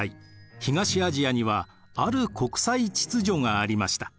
東アジアにはある国際秩序がありました。